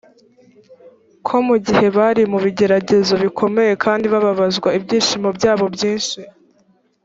ko mu gihe bari mu bigeragezo bikomeye kandi bababazwa ibyishimo byabo byinshi